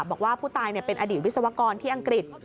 บอกว่าผู้ตายเป็นอดีตวิศวกรที่อังกฤษ